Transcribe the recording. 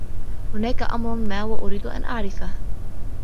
هناك أمر ما و أريد أن أعرفه.